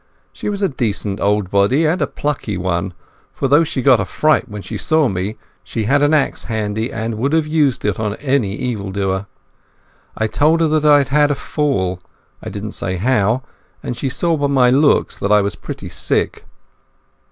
She was a decent old body, and a plucky one, for though she got a fright when she saw me, she had an axe handy, and would have used it on any evil doer. I told her that I had had a fall—I didn't say how—and she saw by my looks that I was pretty sick.